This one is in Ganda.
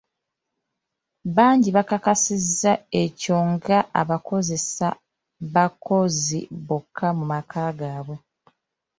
Bangi bakakasizza ekyo nga bakozesa bakozi bokka mu maka gaabwe.